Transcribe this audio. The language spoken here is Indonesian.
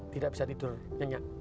tidak bisa tidur nyenyak